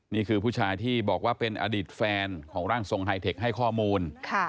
นี่คือผู้ชายที่บอกว่าเป็นอดีตแฟนของร่างทรงไฮเทคให้ข้อมูล